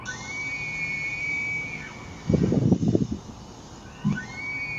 Ham y su esposa viven actualmente en los suburbios de Pittsburgh, no tienen hijos.